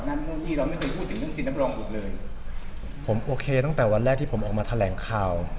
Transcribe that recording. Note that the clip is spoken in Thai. นู่นนี่เราไม่เคยพูดถึงเรื่องสินรับรองอีกเลยผมโอเคตั้งแต่วันแรกที่ผมออกมาแถลงข่าว